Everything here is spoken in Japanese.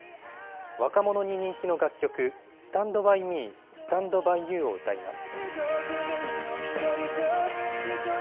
若者に人気の楽曲、スタンドバイミー・スタンドバイユーを歌います。